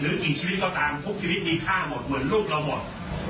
กี่ชีวิตก็ตามทุกชีวิตมีค่าหมดเหมือนลูกเราหมด